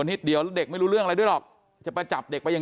นิดเดี๋ยวเด็กไม่รู้เรื่องอะไรด้วยหรอกจะไปจับเด็กไปยัง